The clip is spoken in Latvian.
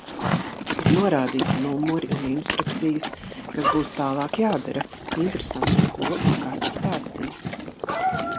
Ir norādīti numuri un instrukcijas, kas būs tālāk jādara. Interesanti, ko un kas stāstīs.